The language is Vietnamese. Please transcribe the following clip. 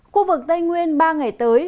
khu vực tây nguyên ba ngày tới